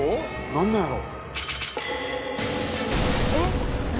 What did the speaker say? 何なんやろ？